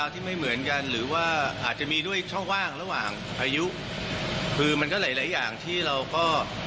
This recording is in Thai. ที่ไม่เหมือนกันหรือว่าอาจจะมีด้วยช่องว่างระหว่างพายุคือมันก็หลายหลายอย่างที่เราก็